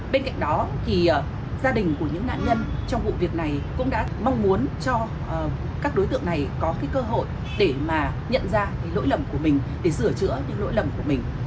bên cạnh đó thì gia đình của những nạn nhân trong vụ việc này cũng đã mong muốn cho các đối tượng này có cơ hội để mà nhận ra lỗi lầm của mình để sửa chữa những lỗi lầm của mình